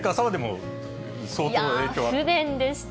不便でした。